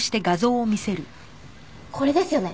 これですよね？